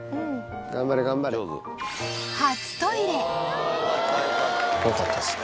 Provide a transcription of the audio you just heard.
頑張れ頑張れ。よかったっすね。